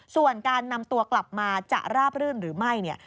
ส่วนการนำตัวกลับมาจะราบรื่นหรือไม่เนี่ย